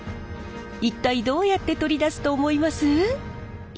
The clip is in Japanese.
一体どうやって取り出すと思います？